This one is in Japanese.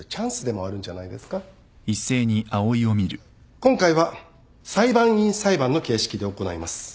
今回は裁判員裁判の形式で行います。